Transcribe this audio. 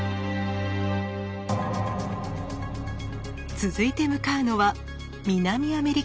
続いて向かうのは南アメリカ大陸。